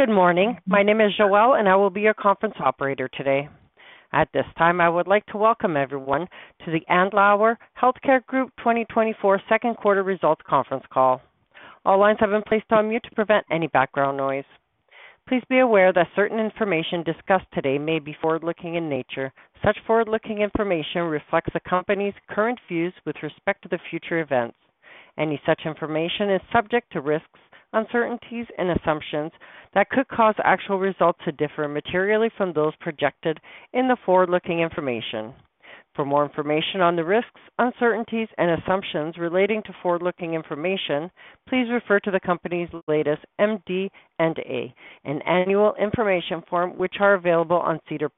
Good morning. My name is Joelle, and I will be your conference operator today. At this time, I would like to welcome everyone to the Andlauer Healthcare Group 2024 second quarter results conference call. All lines have been placed on mute to prevent any background noise. Please be aware that certain information discussed today may be forward-looking in nature. Such forward-looking information reflects the company's current views with respect to the future events. Any such information is subject to risks, uncertainties, and assumptions that could cause actual results to differ materially from those projected in the forward-looking information. For more information on the risks, uncertainties, and assumptions relating to forward-looking information, please refer to the company's latest MD&A, an annual information form, which are available on SEDAR+.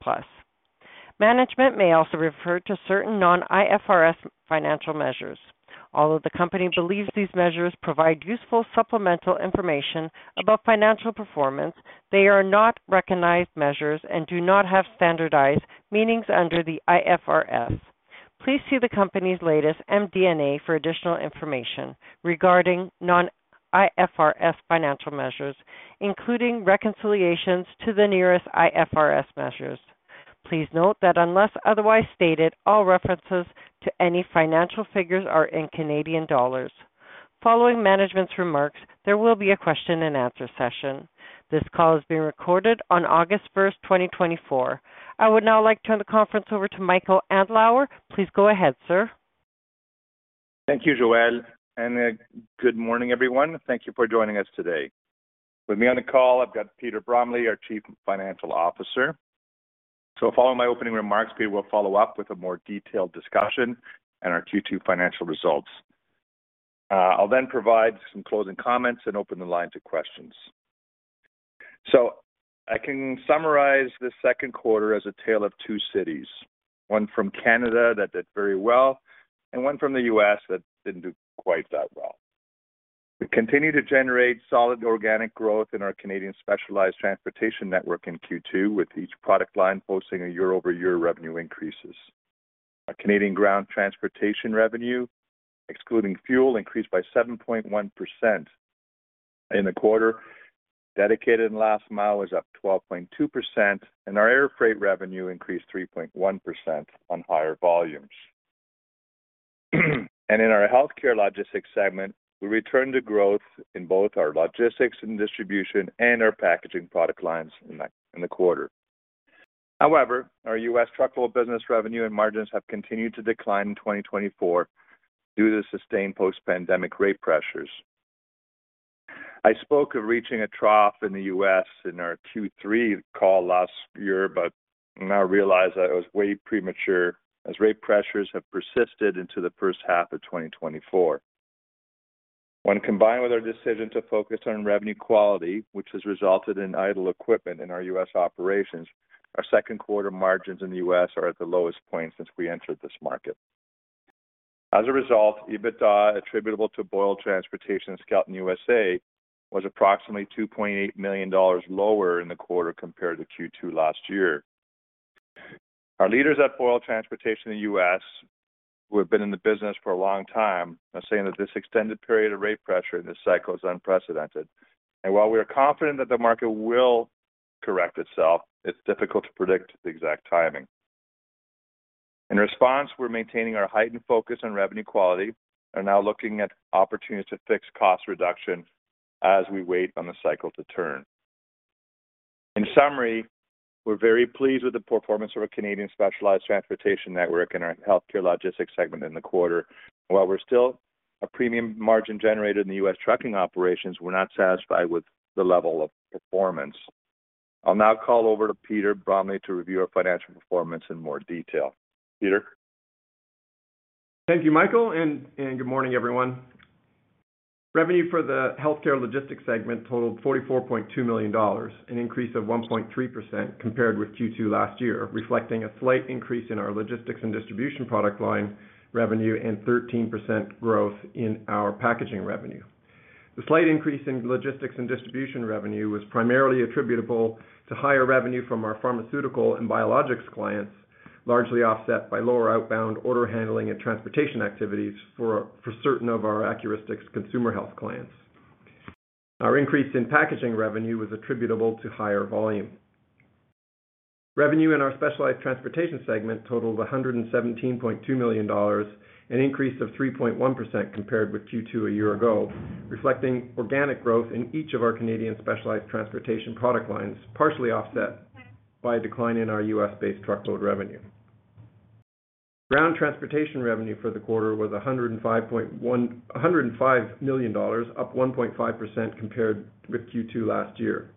Management may also refer to certain non-IFRS financial measures. Although the company believes these measures provide useful supplemental information about financial performance, they are not recognized measures and do not have standardized meanings under the IFRS. Please see the company's latest MD&A for additional information regarding non-IFRS financial measures, including reconciliations to the nearest IFRS measures. Please note that unless otherwise stated, all references to any financial figures are in Canadian dollars. Following management's remarks, there will be a question and answer session. This call is being recorded on August 1st, 2024. I would now like to turn the conference over to Michael Andlauer. Please go ahead, sir. Thank you, Joelle. Good morning, everyone. Thank you for joining us today. With me on the call, I've got Peter Bromley, our Chief Financial Officer. Following my opening remarks, Peter will follow up with a more detailed discussion and our Q2 financial results. I'll then provide some closing comments and open the line to questions. I can summarize the second quarter as a tale of two cities, one from Canada that did very well and one from the U.S. that didn't do quite that well. We continue to generate solid organic growth in our Canadian specialized transportation network in Q2, with each product line posting a year-over-year revenue increase. Our Canadian ground transportation revenue, excluding fuel, increased by 7.1% in the quarter. Dedicated and last mile was up 12.2%, and our air freight revenue increased 3.1% on higher volumes. In our healthcare logistics segment, we returned to growth in both our logistics and distribution and our packaging product lines in the quarter. However, our U.S. truckload business revenue and margins have continued to decline in 2024 due to sustained post-pandemic rate pressures. I spoke of reaching a trough in the U.S. in our Q3 call last year, but now realize that it was way premature as rate pressures have persisted into the first half of 2024. When combined with our decision to focus on revenue quality, which has resulted in idle equipment in our U.S. operations, our second quarter margins in the U.S. are at the lowest point since we entered this market. As a result, EBITDA attributable to Boyle Transportation, Skelton USA was approximately $2.8 million lower in the quarter compared to Q2 last year. Our leaders at Boyle Transportation in the U.S., who have been in the business for a long time, are saying that this extended period of rate pressure in this cycle is unprecedented. While we are confident that the market will correct itself, it's difficult to predict the exact timing. In response, we're maintaining our heightened focus on revenue quality and are now looking at opportunities to fixed cost reduction as we wait on the cycle to turn. In summary, we're very pleased with the performance of our Canadian specialized transportation network and our healthcare logistics segment in the quarter. While we're still a premium margin generator in the U.S. trucking operations, we're not satisfied with the level of performance. I'll now call over to Peter Bromley to review our financial performance in more detail. Peter? Thank you, Michael. Good morning, everyone. Revenue for the healthcare logistics segment totaled 44.2 million dollars, an increase of 1.3% compared with Q2 last year, reflecting a slight increase in our logistics and distribution product line revenue and 13% growth in our packaging revenue. The slight increase in logistics and distribution revenue was primarily attributable to higher revenue from our pharmaceutical and biologics clients, largely offset by lower outbound order handling and transportation activities for certain of our Accuristix consumer health clients. Our increase in packaging revenue was attributable to higher volume. Revenue in our specialized transportation segment totaled 117.2 million dollars, an increase of 3.1% compared with Q2 a year ago, reflecting organic growth in each of our Canadian specialized transportation product lines, partially offset by a decline in our U.S.-based truckload revenue. Ground transportation revenue for the quarter was 105 million dollars, up 1.5% compared with Q2 last year.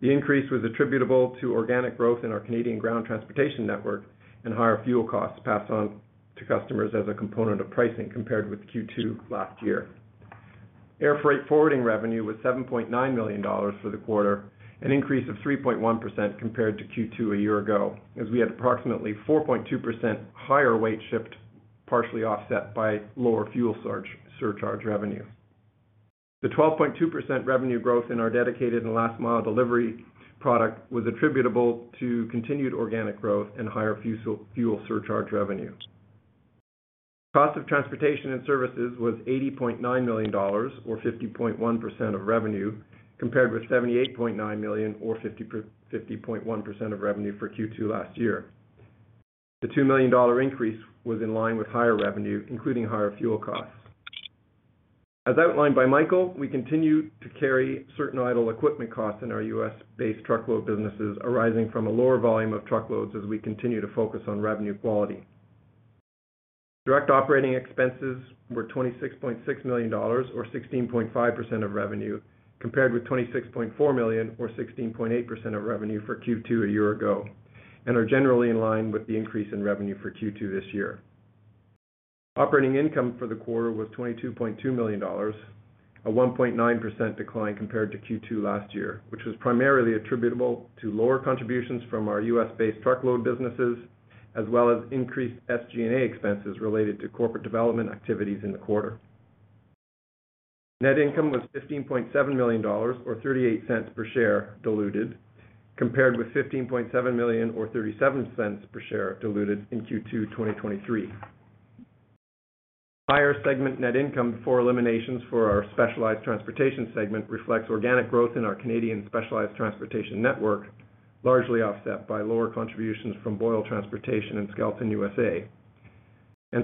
The increase was attributable to organic growth in our Canadian ground transportation network and higher fuel costs passed on to customers as a component of pricing compared with Q2 last year. Air freight forwarding revenue was 7.9 million dollars for the quarter, an increase of 3.1% compared to Q2 a year ago, as we had approximately 4.2% higher weight shipped, partially offset by lower fuel surcharge revenue. The 12.2% revenue growth in our dedicated and last mile delivery product was attributable to continued organic growth and higher fuel surcharge revenue. Cost of transportation and services was 80.9 million dollars, or 50.1% of revenue, compared with 78.9 million, or 50.1% of revenue for Q2 last year. The 2 million dollar increase was in line with higher revenue, including higher fuel costs. As outlined by Michael, we continue to carry certain idle equipment costs in our U.S.-based truckload businesses arising from a lower volume of truckloads as we continue to focus on revenue quality. Direct operating expenses were 26.6 million dollars, or 16.5% of revenue, compared with 26.4 million, or 16.8% of revenue for Q2 a year ago, and are generally in line with the increase in revenue for Q2 this year. Operating income for the quarter was 22.2 million dollars, a 1.9% decline compared to Q2 last year, which was primarily attributable to lower contributions from our U.S.-based truckload businesses, as well as increased SG&A expenses related to corporate development activities in the quarter. Net income was 15.7 million dollars, or 0.38 per share diluted, compared with 15.7 million, or 0.37 per share diluted in Q2 2023. Higher segment net income before eliminations for our specialized transportation segment reflects organic growth in our Canadian specialized transportation network, largely offset by lower contributions from Boyle Transportation and Skelton USA.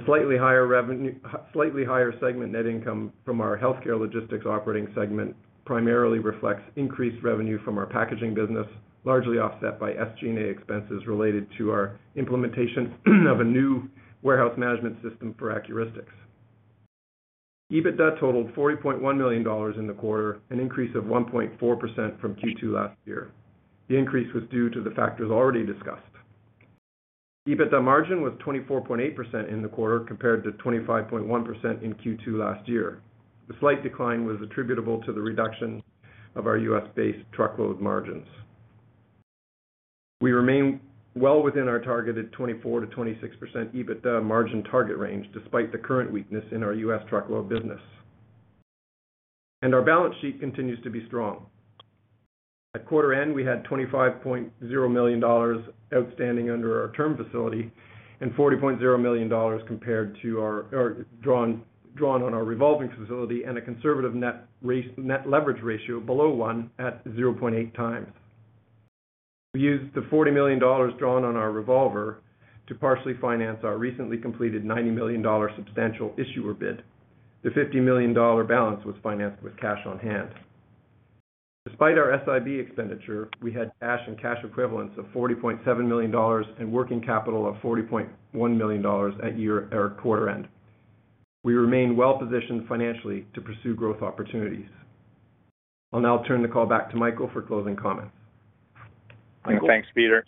Slightly higher segment net income from our healthcare logistics operating segment primarily reflects increased revenue from our packaging business, largely offset by SG&A expenses related to our implementation of a new warehouse management system for Accuristix. EBITDA totaled $40.1 million in the quarter, an increase of 1.4% from Q2 last year. The increase was due to the factors already discussed. EBITDA margin was 24.8% in the quarter compared to 25.1% in Q2 last year. The slight decline was attributable to the reduction of our U.S.-based truckload margins. We remain well within our targeted 24%-26% EBITDA margin target range, despite the current weakness in our U.S. truckload business. Our balance sheet continues to be strong. At quarter end, we had 25.0 million dollars outstanding under our term facility and 40.0 million dollars drawn on our revolving facility and a conservative net leverage ratio below 1 at 0.8x. We used the 40 million dollars drawn on our revolver to partially finance our recently completed 90 million dollar substantial issuer bid. The 50 million dollar balance was financed with cash on hand. Despite our SIB expenditure, we had cash and cash equivalents of 40.7 million dollars and working capital of 40.1 million dollars at year-end or quarter end. We remain well-positioned financially to pursue growth opportunities. I'll now turn the call back to Michael for closing comments. Thanks, Peter.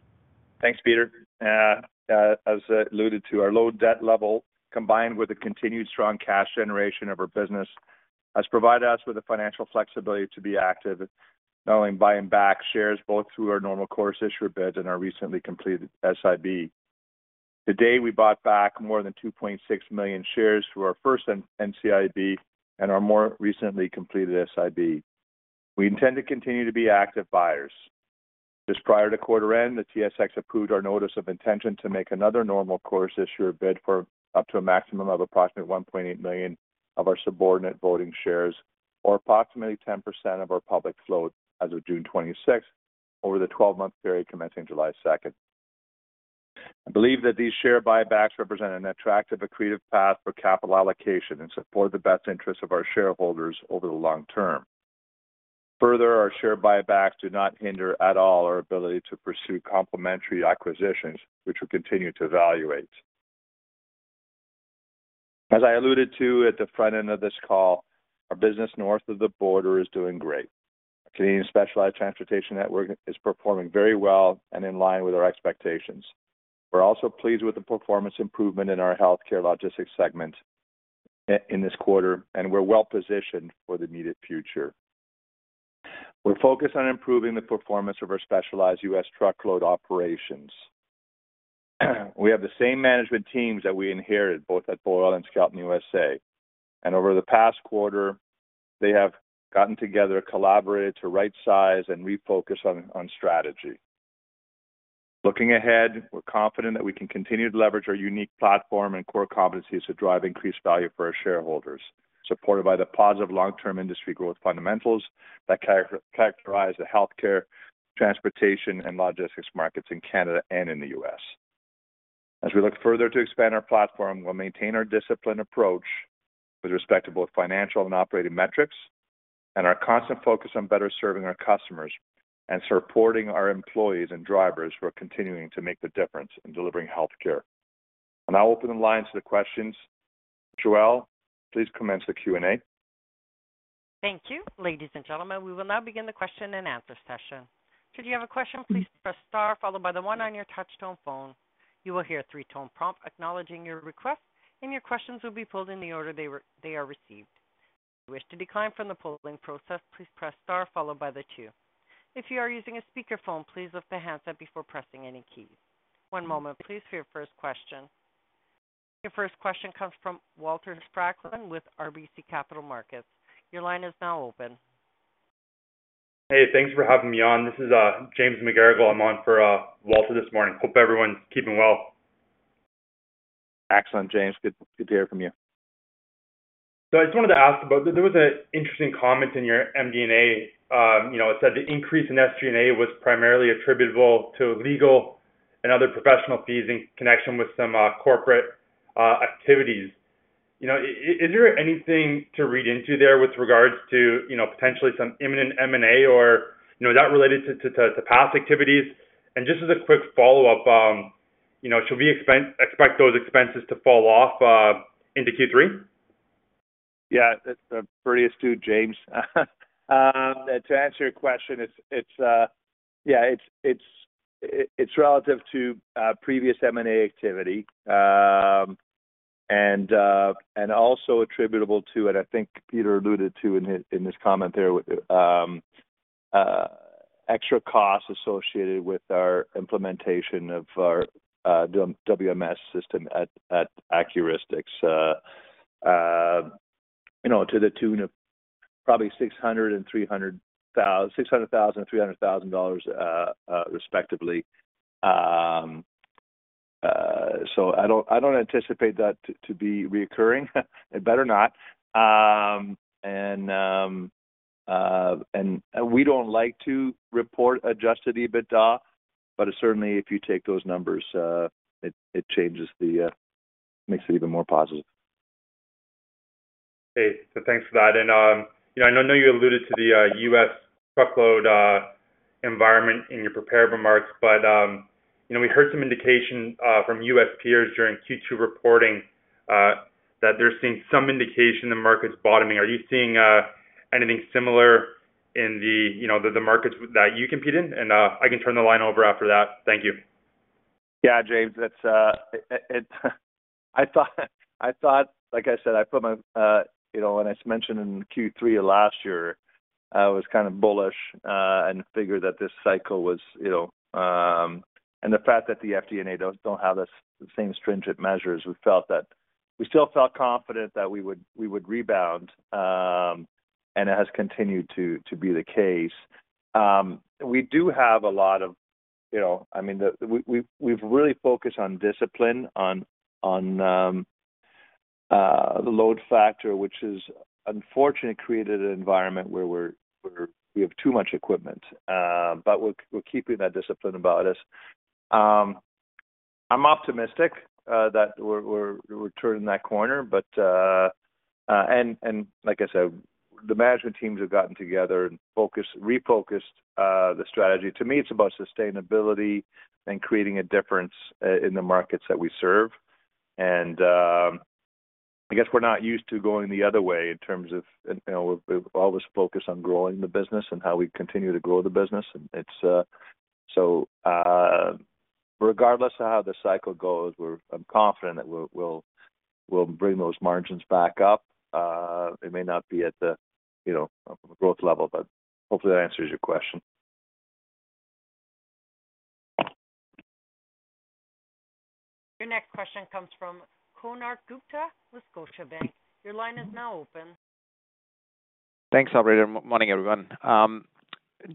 As alluded to, our low debt level, combined with the continued strong cash generation of our business, has provided us with the financial flexibility to be active, not only buying back shares both through our normal course issuer bid and our recently completed SIB. To date, we bought back more than 2.6 million shares through our first NCIB and our more recently completed SIB. We intend to continue to be active buyers. Just prior to quarter end, the TSX approved our notice of intention to make another normal course issuer bid for up to a maximum of approximately 1.8 million of our subordinate voting shares, or approximately 10% of our public float as of June 26th, over the 12-month period commencing July 2nd. I believe that these share buybacks represent an attractive accretive path for capital allocation and support the best interests of our shareholders over the long term. Further, our share buybacks do not hinder at all our ability to pursue complementary acquisitions, which we continue to evaluate. As I alluded to at the front end of this call, our business north of the border is doing great. Our Canadian specialized transportation network is performing very well and in line with our expectations. We're also pleased with the performance improvement in our healthcare logistics segment in this quarter, and we're well-positioned for the immediate future. We're focused on improving the performance of our specialized U.S. truckload operations. We have the same management teams that we inherited both at Boyle and Skelton USA. Over the past quarter, they have gotten together, collaborated to right-size, and refocus on strategy. Looking ahead, we're confident that we can continue to leverage our unique platform and core competencies to drive increased value for our shareholders, supported by the positive long-term industry growth fundamentals that characterize the healthcare, transportation, and logistics markets in Canada and in the U.S. As we look further to expand our platform, we'll maintain our disciplined approach with respect to both financial and operating metrics and our constant focus on better serving our customers and supporting our employees and drivers who are continuing to make the difference in delivering healthcare. I'll now open the line to the questions. Joelle, please commence the Q&A. Thank you. Ladies and gentlemen, we will now begin the question and answer session. Should you have a question, please press star, followed by the one on your touch-tone phone. You will hear a three-tone prompt acknowledging your request, and your questions will be pulled in the order they are received. If you wish to decline from the polling process, please press star, followed by the two. If you are using a speakerphone, please lift the handset before pressing any keys. One moment, please, for your first question. Your first question comes from Walter Spracklin with RBC Capital Markets. Your line is now open. Hey, thanks for having me on. This is James McGarragle. I'm on for Walter this morning. Hope everyone's keeping well. Excellent, James. Good to hear from you. I just wanted to ask about there was an interesting comment in your MD&A. It said the increase in SG&A was primarily attributable to legal and other professional fees in connection with some corporate activities. Is there anything to read into there with regards to potentially some imminent M&A or is that related to past activities? And just as a quick follow-up, should we expect those expenses to fall off into Q3? Yeah, that's a pretty astute, James. To answer your question, yeah, it's relative to previous M&A activity and also attributable to, and I think Peter alluded to in his comment there, extra costs associated with our implementation of our WMS system at Accuristix to the tune of probably $600,000 and $300,000 respectively. So I don't anticipate that to be recurring. It better not. And we don't like to report adjusted EBITDA, but certainly, if you take those numbers, it makes it even more positive. Hey, so thanks for that. I know you alluded to the U.S. truckload environment in your prepared remarks, but we heard some indication from U.S. peers during Q2 reporting that they're seeing some indication the market's bottoming. Are you seeing anything similar in the markets that you compete in? I can turn the line over after that. Thank you. Yeah, James. I thought, like I said, I put my when I mentioned in Q3 of last year, I was kind of bullish and figured that this cycle was and the fact that the MD&A don't have the same stringent measures, we still felt confident that we would rebound, and it has continued to be the case. We do have a lot of, I mean, we've really focused on discipline on the load factor, which has unfortunately created an environment where we have too much equipment. But we're keeping that discipline about us. I'm optimistic that we're turning that corner. And like I said, the management teams have gotten together and refocused the strategy. To me, it's about sustainability and creating a difference in the markets that we serve. I guess we're not used to going the other way in terms of we've always focused on growing the business and how we continue to grow the business. Regardless of how the cycle goes, I'm confident that we'll bring those margins back up. It may not be at the growth level, but hopefully, that answers your question. Your next question comes from Konark Gupta, Scotiabank. Your line is now open. Thanks, Operator. Good morning, everyone.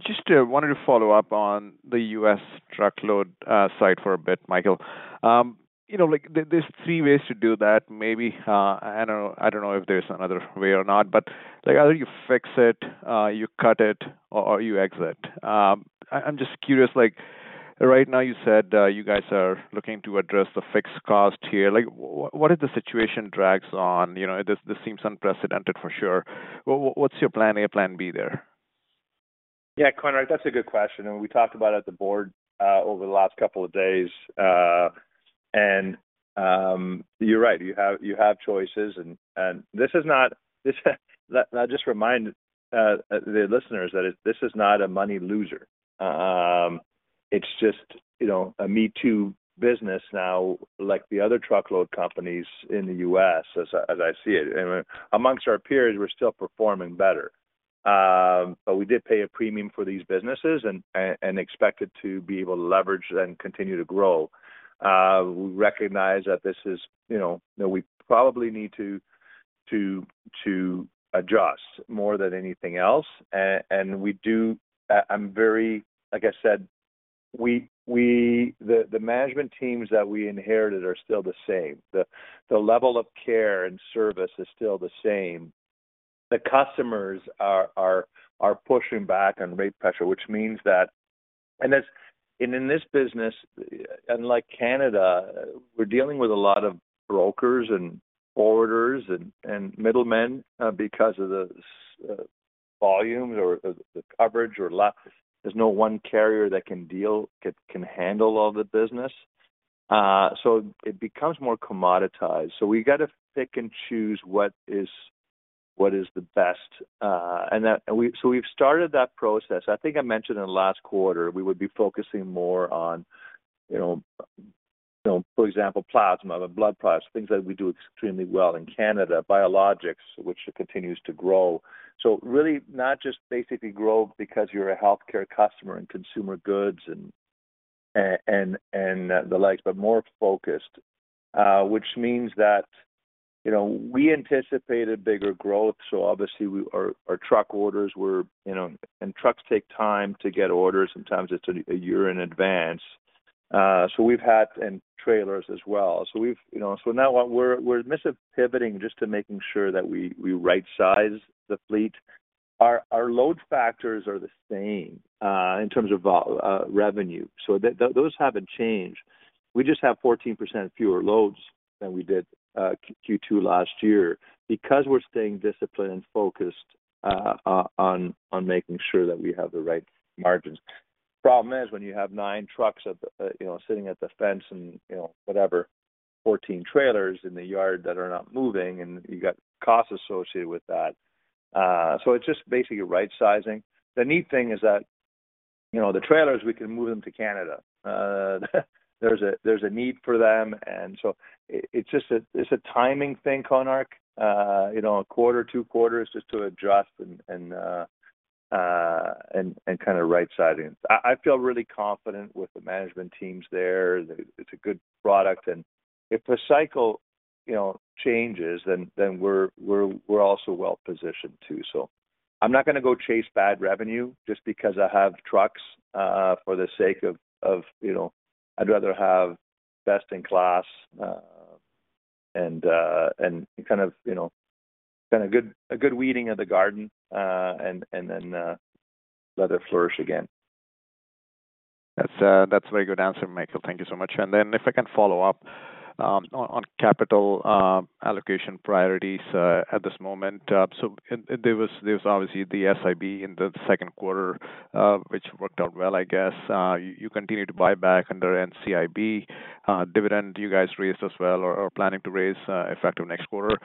Just wanted to follow up on the U.S. truckload side for a bit, Michael. There's three ways to do that, maybe. I don't know if there's another way or not, but either you fix it, you cut it, or you exit. I'm just curious. Right now, you said you guys are looking to address the fixed cost here. What if the situation drags on? This seems unprecedented, for sure. What's your plan A, plan B there? Yeah, Konark, that's a good question. And we talked about it at the board over the last couple of days. And you're right. You have choices. And this is not. I'll just remind the listeners that this is not a money loser. It's just a me too business now, like the other truckload companies in the U.S., as I see it. Amongst our peers, we're still performing better. But we did pay a premium for these businesses and expect it to be able to leverage and continue to grow. We recognize that this is. We probably need to adjust more than anything else. And I'm very, like I said, the management teams that we inherited are still the same. The level of care and service is still the same. The customers are pushing back on rate pressure, which means that—and in this business, unlike Canada, we're dealing with a lot of brokers and orders and middlemen because of the volume or the coverage or lot. There's no one carrier that can handle all the business. So it becomes more commoditized. So we got to pick and choose what is the best. And so we've started that process. I think I mentioned in the last quarter, we would be focusing more on, for example, plasma and blood plasma, things that we do extremely well in Canada, Biologics, which continues to grow. So really, not just basically grow because you're a healthcare customer and consumer goods and the likes, but more focused, which means that we anticipated bigger growth. So obviously, our truck orders were—and trucks take time to get orders. Sometimes it's a year in advance. So we've had, and trailers as well. So now we're missing pivoting just to making sure that we right-size the fleet. Our load factors are the same in terms of revenue. So those haven't changed. We just have 14% fewer loads than we did Q2 last year because we're staying disciplined and focused on making sure that we have the right margins. Problem is when you have 9 trucks sitting at the fence and whatever, 14 trailers in the yard that are not moving, and you've got costs associated with that. So it's just basically right-sizing. The neat thing is that the trailers, we can move them to Canada. There's a need for them. And so it's a timing thing, Konark, a quarter, two quarters just to adjust and kind of right-sizing. I feel really confident with the management teams there. It's a good product. If the cycle changes, then we're also well-positioned too. I'm not going to go chase bad revenue just because I have trucks for the sake of, I'd rather have best in class and kind of a good weeding of the garden and then let it flourish again. That's a very good answer, Michael. Thank you so much. And then if I can follow up on capital allocation priorities at this moment. So there was obviously the SIB in the second quarter, which worked out well, I guess. You continue to buy back under NCIB dividend. You guys raised as well or are planning to raise effective next quarter.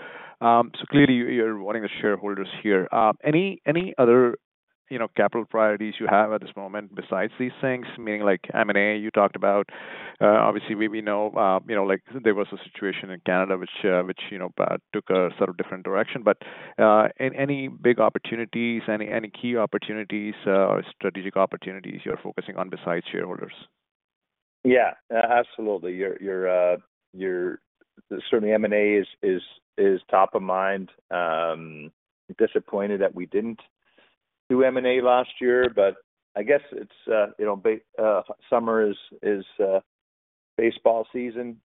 So clearly, you're wanting the shareholders here. Any other capital priorities you have at this moment besides these things? Meaning like M&A you talked about. Obviously, we know there was a situation in Canada which took a sort of different direction. But any big opportunities, any key opportunities or strategic opportunities you're focusing on besides shareholders? Yeah, absolutely. Certainly, M&A is top of mind. Disappointed that we didn't do M&A last year, but I guess summer is baseball season.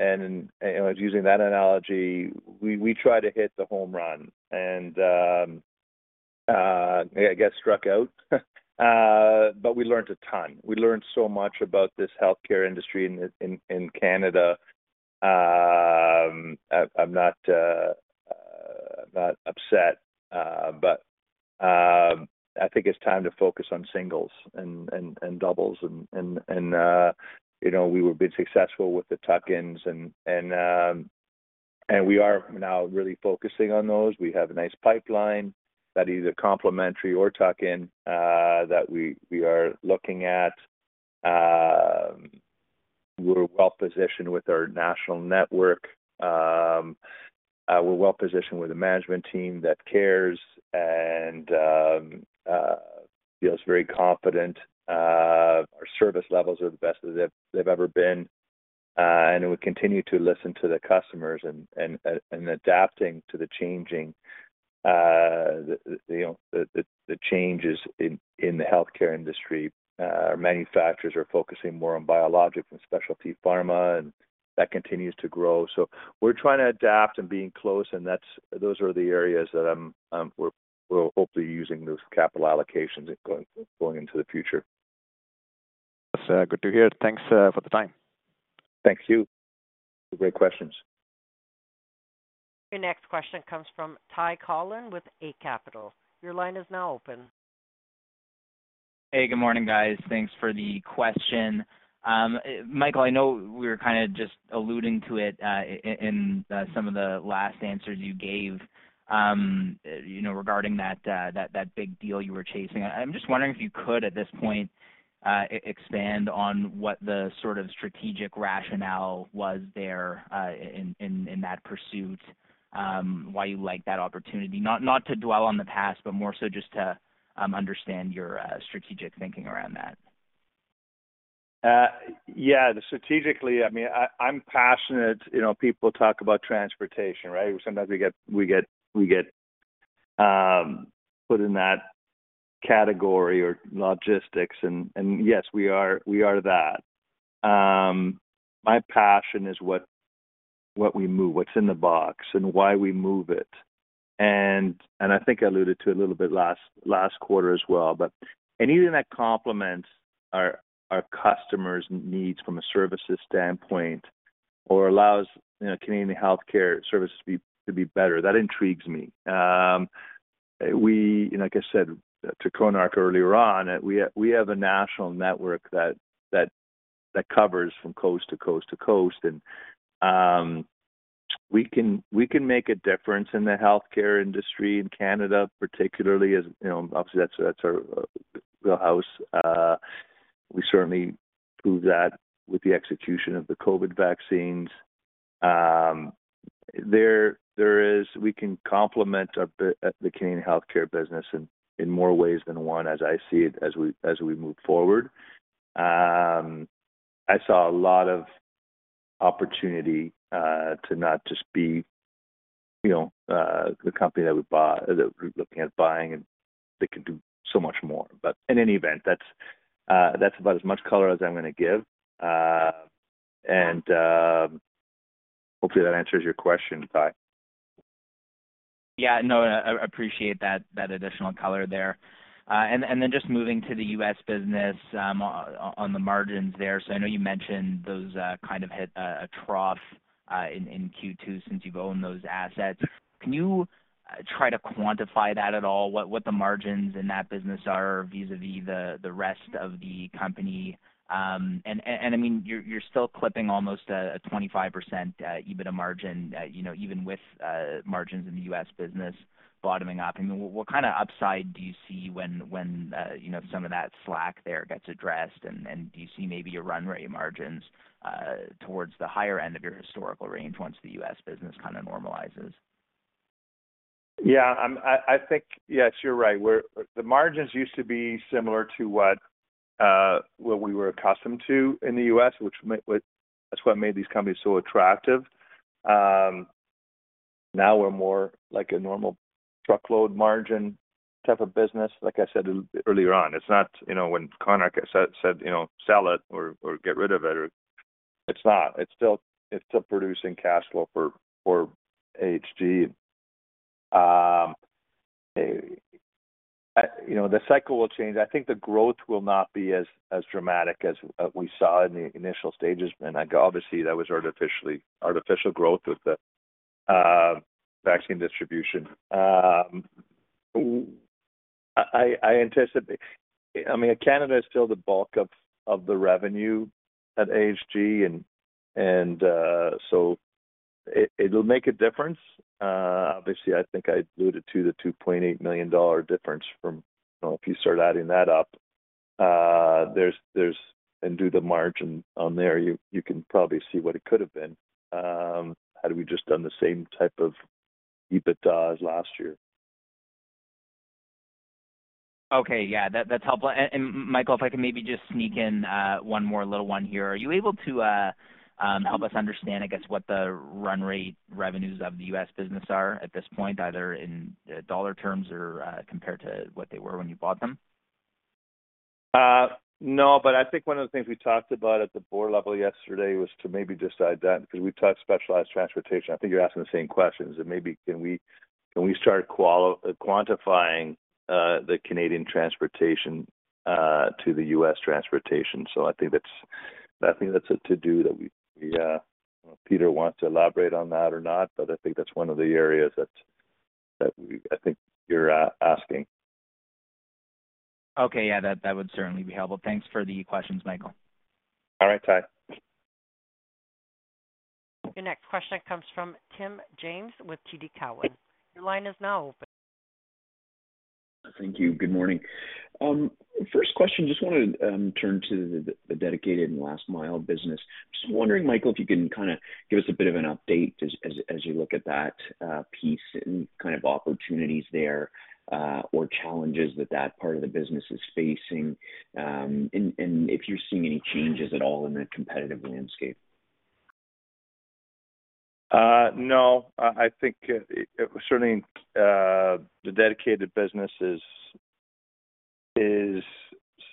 Using that analogy, we try to hit the home run and get struck out. We learned a ton. We learned so much about this healthcare industry in Canada. I'm not upset, but I think it's time to focus on singles and doubles. We were successful with the tuck-ins, and we are now really focusing on those. We have a nice pipeline that is either complementary or tuck-in that we are looking at. We're well-positioned with our national network. We're well-positioned with a management team that cares and feels very confident. Our service levels are the best that they've ever been. We continue to listen to the customers and adapting to the changing changes in the healthcare industry. Our manufacturers are focusing more on biologics and specialty pharma, and that continues to grow. So we're trying to adapt and being close. And those are the areas that we're hopefully using those capital allocations going into the future. That's good to hear. Thanks for the time. Thank you. Great questions. Your next question comes from Ty Collin with Eight Capital. Your line is now open. Hey, good morning, guys. Thanks for the question. Michael, I know we were kind of just alluding to it in some of the last answers you gave regarding that big deal you were chasing. I'm just wondering if you could, at this point, expand on what the sort of strategic rationale was there in that pursuit, why you like that opportunity. Not to dwell on the past, but more so just to understand your strategic thinking around that. Yeah, strategically, I mean, I'm passionate. People talk about transportation, right? Sometimes we get put in that category or logistics. And yes, we are that. My passion is what we move, what's in the box, and why we move it. And I think I alluded to it a little bit last quarter as well. But anything that complements our customers' needs from a services standpoint or allows Canadian healthcare services to be better, that intrigues me. Like I said to Konark earlier on, we have a national network that covers from coast to coast to coast. And we can make a difference in the healthcare industry in Canada, particularly as obviously, that's our wheelhouse. We certainly proved that with the execution of the COVID vaccines. We can complement the Canadian healthcare business in more ways than one, as I see it, as we move forward. I saw a lot of opportunity to not just be the company that we're looking at buying. They can do so much more. In any event, that's about as much color as I'm going to give. Hopefully, that answers your question, Ty. Yeah, no, I appreciate that additional color there. And then just moving to the US business on the margins there. So I know you mentioned those kind of hit a trough in Q2 since you've owned those assets. Can you try to quantify that at all, what the margins in that business are vis-à-vis the rest of the company? And I mean, you're still clipping almost a 25% EBITDA margin, even with margins in the U.S. business bottoming out. I mean, what kind of upside do you see when some of that slack there gets addressed? And do you see maybe a runway for margins towards the higher end of your historical range once the U.S. business kind of normalizes? Yeah, I think, yes, you're right. The margins used to be similar to what we were accustomed to in the U.S., which that's what made these companies so attractive. Now we're more like a normal truckload margin type of business, like I said earlier on. It's not when Konark said, "Sell it or get rid of it." It's not. It's still producing cash flow for AHG. The cycle will change. I think the growth will not be as dramatic as we saw in the initial stages. And obviously, that was artificial growth with the vaccine distribution. I mean, Canada is still the bulk of the revenue at AHG. And so it'll make a difference. Obviously, I think I alluded to the $2.8 million difference from if you start adding that up and do the margin on there, you can probably see what it could have been. Had we just done the same type of EBITDA as last year. Okay, yeah, that's helpful. And Michael, if I can maybe just sneak in one more little one here. Are you able to help us understand, I guess, what the run rate revenues of the U.S. business are at this point, either in dollar terms or compared to what they were when you bought them? No, but I think one of the things we talked about at the board level yesterday was to maybe just add that because we talked specialized transportation. I think you're asking the same questions. And maybe can we start quantifying the Canadian transportation to the U.S. transportation? So I think that's a to-do that Peter wants to elaborate on that or not, but I think that's one of the areas that I think you're asking. Okay, yeah, that would certainly be helpful. Thanks for the questions, Michael. All right, Ty. Your next question comes from Tim James with TD Cowen. Your line is now open. Thank you. Good morning. First question, just want to turn to the dedicated last-mile business. Just wondering, Michael, if you can kind of give us a bit of an update as you look at that piece and kind of opportunities there or challenges that that part of the business is facing and if you're seeing any changes at all in the competitive landscape. No, I think certainly the dedicated business is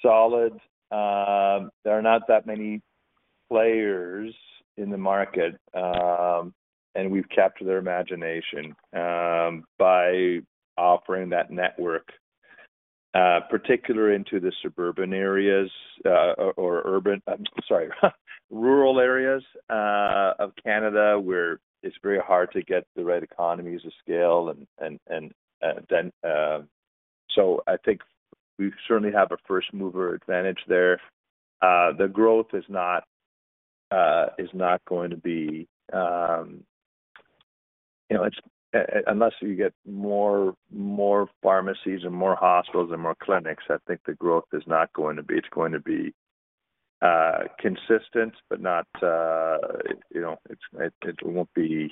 solid. There are not that many players in the market, and we've captured their imagination by offering that network, particularly into the suburban areas or urban, sorry, rural areas of Canada where it's very hard to get the right economies of scale. And so I think we certainly have a first-mover advantage there. The growth is not going to be unless you get more pharmacies and more hospitals and more clinics, I think the growth is not going to be. It's going to be consistent, but it won't be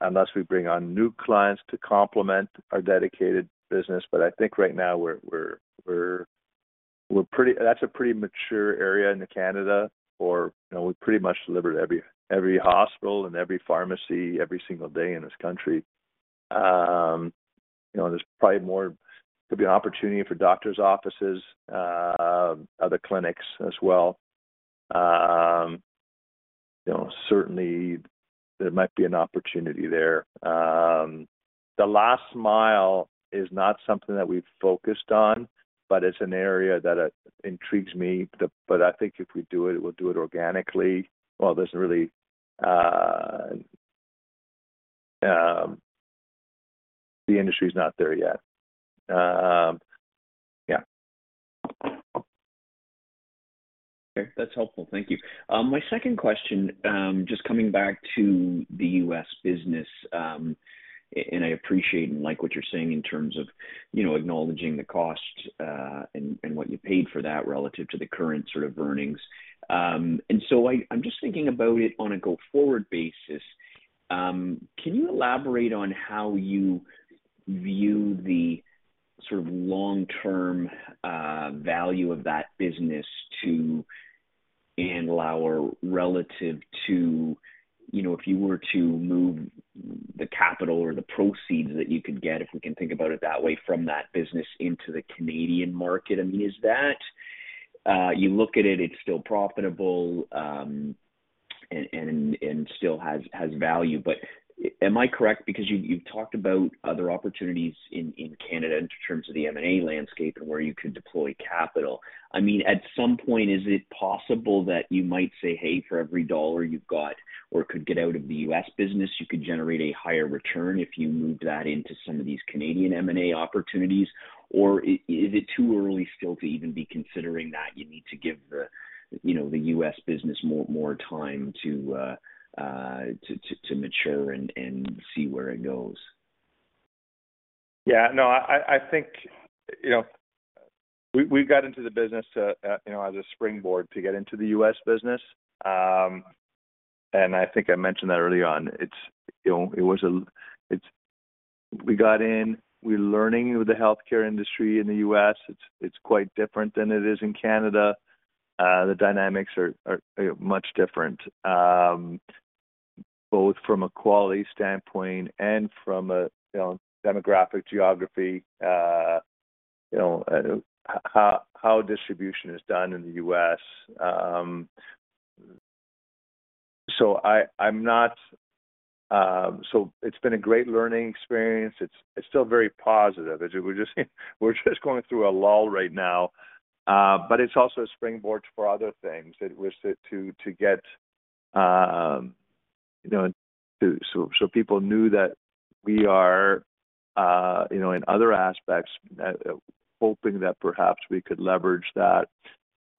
unless we bring on new clients to complement our dedicated business. But I think right now, that's a pretty mature area in Canada where we pretty much deliver to every hospital and every pharmacy every single day in this country. There's probably more could be an opportunity for doctors' offices, other clinics as well. Certainly, there might be an opportunity there. The last mile is not something that we've focused on, but it's an area that intrigues me. But I think if we do it, we'll do it organically. Well, the industry is not there yet. Yeah. Okay, that's helpful. Thank you. My second question, just coming back to the U.S. business, and I appreciate and like what you're saying in terms of acknowledging the cost and what you paid for that relative to the current sort of earnings. And so I'm just thinking about it on a go-forward basis. Can you elaborate on how you view the sort of long-term value of that business to Andlauer relative to if you were to move the capital or the proceeds that you could get, if we can think about it that way, from that business into the Canadian market? I mean, you look at it, it's still profitable and still has value. But am I correct? Because you've talked about other opportunities in Canada in terms of the M&A landscape and where you could deploy capital. I mean, at some point, is it possible that you might say, "Hey, for every dollar you've got or could get out of the U.S. business, you could generate a higher return if you moved that into some of these Canadian M&A opportunities"? Or is it too early still to even be considering that you need to give the U.S. business more time to mature and see where it goes? Yeah, no, I think we got into the business as a springboard to get into the U.S. business. I think I mentioned that early on. It was, we got in, we're learning with the healthcare industry in the U.S. It's quite different than it is in Canada. The dynamics are much different, both from a quality standpoint and from a demographic geography, how distribution is done in the U.S. So I'm not so it's been a great learning experience. It's still very positive. We're just going through a lull right now. It's also a springboard for other things to get so people knew that we are in other aspects, hoping that perhaps we could leverage that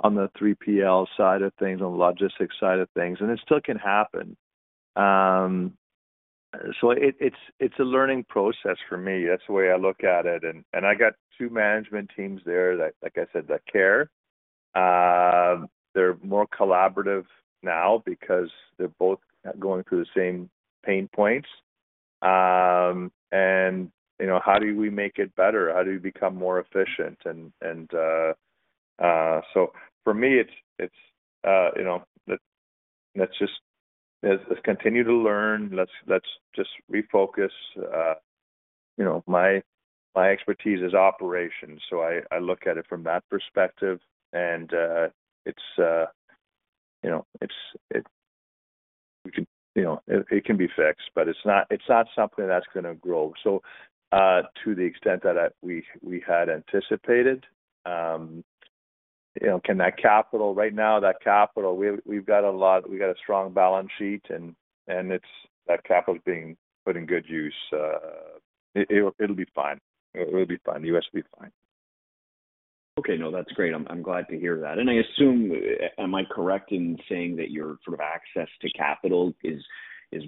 on the 3PL side of things, on the logistics side of things. It still can happen. It's a learning process for me. That's the way I look at it. I got two management teams there, like I said, that care. They're more collaborative now because they're both going through the same pain points. How do we make it better? How do we become more efficient? So for me, it's let's just continue to learn. Let's just refocus. My expertise is operations. So I look at it from that perspective. It can be fixed, but it's not something that's going to grow. So to the extent that we had anticipated, can that capital right now. That capital, we've got a lot. We've got a strong balance sheet, and that capital is being put in good use. It'll be fine. It'll be fine. The U.S. will be fine. Okay, no, that's great. I'm glad to hear that. And I assume, am I correct in saying that your sort of access to capital is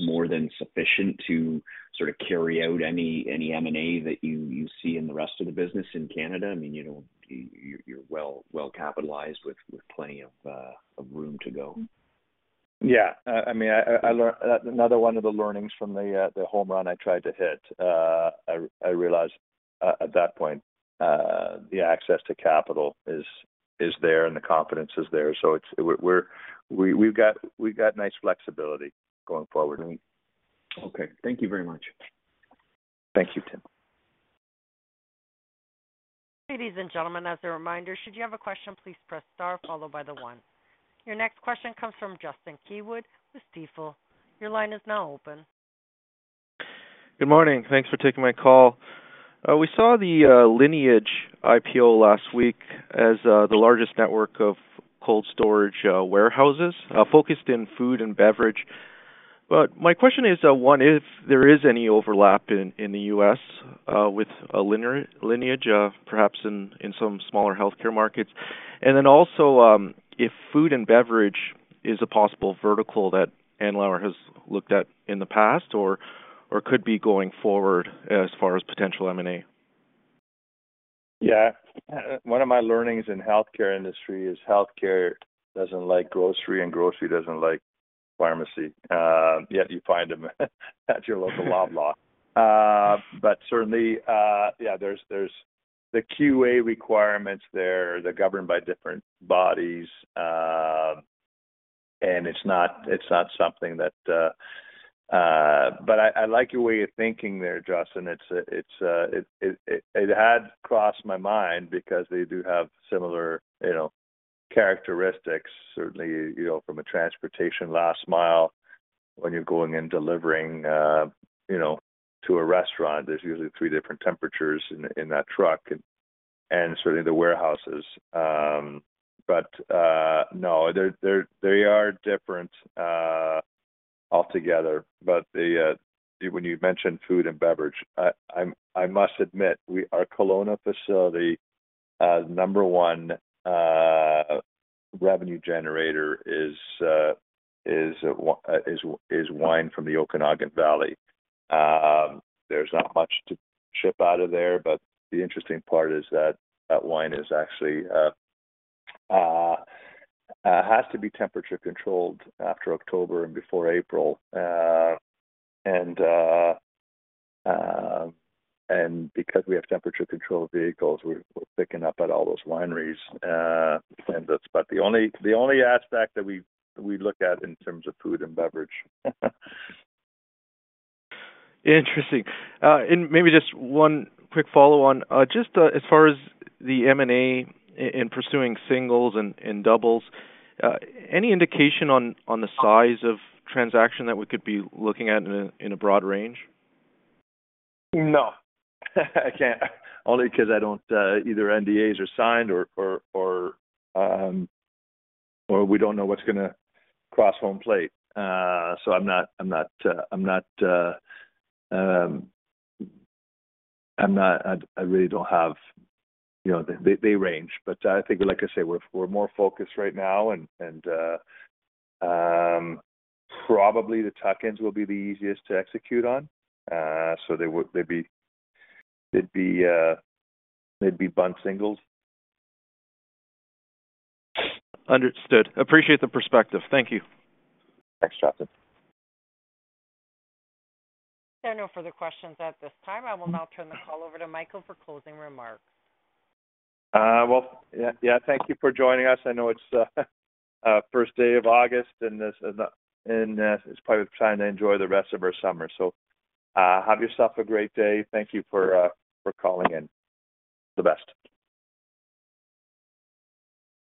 more than sufficient to sort of carry out any M&A that you see in the rest of the business in Canada? I mean, you're well capitalized with plenty of room to go. Yeah. I mean, another one of the learnings from the home run I tried to hit, I realized at that point, the access to capital is there and the confidence is there. So we've got nice flexibility going forward. Okay. Thank you very much. Thank you, Tim. Ladies and gentlemen, as a reminder, should you have a question, please press star followed by the one. Your next question comes from Justin Keywood with Stifel. Your line is now open. Good morning. Thanks for taking my call. We saw the Lineage IPO last week as the largest network of cold storage warehouses focused in food and beverage. But my question is, one, if there is any overlap in the U.S. with Lineage, perhaps in some smaller healthcare markets. And then also, if food and beverage is a possible vertical that Andlauer has looked at in the past or could be going forward as far as potential M&A. Yeah. One of my learnings in the healthcare industry is healthcare doesn't like grocery and grocery doesn't like pharmacy. Yet you find them at your local Loblaw. But certainly, yeah, there's the QA requirements there that are governed by different bodies. And it's not something that but I like your way of thinking there, Justin. It had crossed my mind because they do have similar characteristics, certainly from a transportation last mile when you're going and delivering to a restaurant. There's usually three different temperatures in that truck and certainly the warehouses. But no, they are different altogether. But when you mentioned food and beverage, I must admit, our Kelowna facility, number one revenue generator is wine from the Okanagan Valley. There's not much to ship out of there. But the interesting part is that that wine actually has to be temperature controlled after October and before April. And because we have temperature-controlled vehicles, we're picking up at all those wineries. But the only aspect that we look at in terms of food and beverage. Interesting. Maybe just one quick follow-on, just as far as the M&A and pursuing singles and doubles, any indication on the size of transaction that we could be looking at in a broad range? No. I can't. Only because either NDAs are signed or we don't know what's going to cross home plate. So I'm not, I really don't have the range. But I think, like I say, we're more focused right now. And probably the tuck-ins will be the easiest to execute on. So they'd be bunt singles. Understood. Appreciate the perspective. Thank you. Thanks, Justin. There are no further questions at this time. I will now turn the call over to Michael for closing remarks. Well, yeah, thank you for joining us. I know it's the first day of August, and it's probably time to enjoy the rest of our summer. Have yourself a great day. Thank you for calling in. All the best.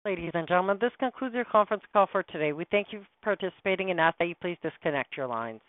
Ladies and gentlemen, this concludes your conference call for today. We thank you for participating and ask that you please disconnect your lines.